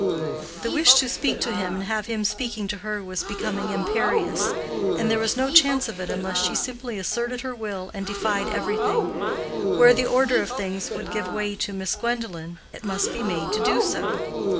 The wish to speak to him and have him speaking to her was becoming imperious; and there was no chance of it unless she simply asserted her will and defied everything. Where the order of things could give way to Miss Gwendolen, it must be made to do so.